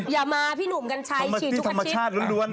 อย่ามาพี่หนุ่มกันใช้ฉี่ทุกอาทิตย์